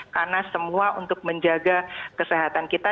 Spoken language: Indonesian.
karena semua untuk menjaga kesehatan kita